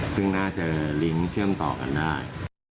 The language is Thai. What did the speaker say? ซึ่งน่าจะลิงก์เชื่อมต่อกันได้